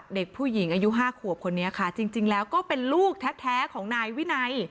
เด็กผู้หญิงอายุ๕ขวบคนนี้ค่ะจริงแล้วก็เป็นลูกแท้ของนายวินัย